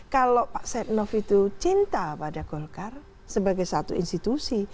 kalau pak setnov itu cinta pada golkar sebagai satu institusi